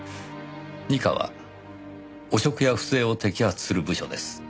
二課は汚職や不正を摘発する部署です。